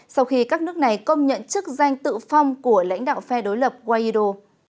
sau khi các nước này công nhận chức danh tự phong của lãnh đạo phe đối lập guaido